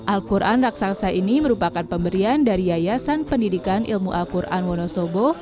al quran raksasa ini merupakan pemberian dari yayasan pendidikan ilmu al quran wonosobo